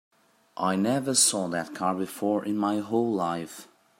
I never saw that car before in my whole life.